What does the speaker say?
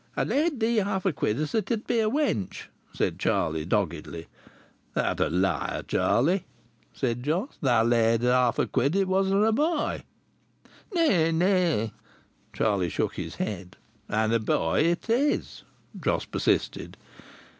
"I laid thee half quid as it 'ud be a wench," said Charlie, doggedly. "Thou'rt a liar, Charlie!" said Jos. "Thou laidst half a quid as it wasna' a boy." "Nay, nay!" Charlie shook his head. "And a boy it is!" Jos persisted.